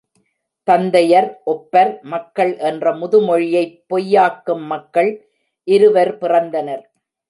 தந்தையர் ஒப்பர் மக்கள் என்ற முதுமொழியைப் பொய்யாக்கும் மக்கள் இருவர் பிறந்தனர்.